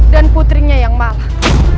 dan putrinya yang malang